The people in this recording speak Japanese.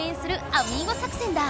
アミーゴ作戦だ！